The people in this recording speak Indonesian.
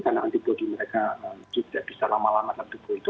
karena antibody mereka tidak bisa lama lama terbentuk itu